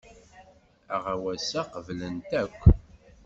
Aɣawas-a qeblen-t akk.